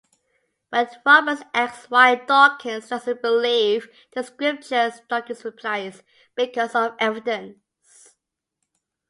When Roberts asks why Dawkins doesn't believe the scriptures, Dawkins replies, "because of evidence".